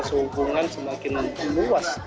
sehubungan semakin luas